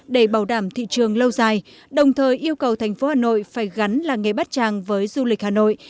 để bảo đảm thị trường lâu dài đồng thời yêu cầu thành phố hà nội phải gắn làng nghề bát tràng với du lịch hà nội